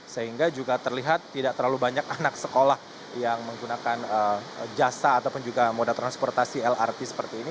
sehingga juga terlihat tidak terlalu banyak anak sekolah yang menggunakan jasa ataupun juga moda transportasi lrt seperti ini